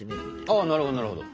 ああなるほどなるほど。